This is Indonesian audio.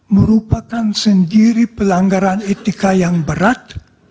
merupakan sendiri pelanggaran etika yang berat